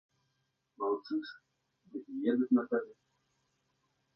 Маўчыш, дык і едуць на табе.